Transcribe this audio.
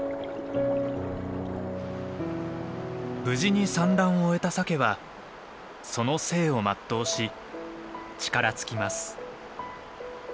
無事に産卵を終えたサケはその生を全うし力尽きます。